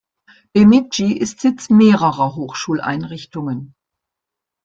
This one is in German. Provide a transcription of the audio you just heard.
Bemidji ist Sitz mehrerer Hochschuleinrichtungen.